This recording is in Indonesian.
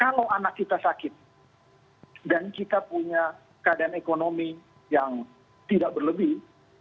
kalau anak kita sakit dan kita punya keadaan ekonomi yang tidak berlebih